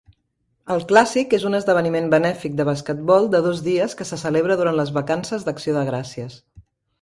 El Clàssic és un esdeveniment benèfic de basquetbol de dos dies que se celebra durant les vacances d'Acció de Gràcies.